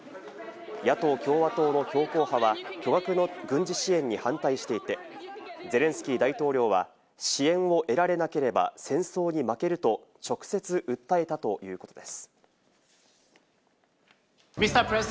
野党・共和党の強硬派は、巨額の軍事支援に反対していて、ゼレンスキー大統領は支援を得られなければ戦争に負けると直接訴えたということです。